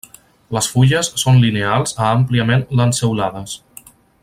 Les fulles són lineals a àmpliament lanceolades.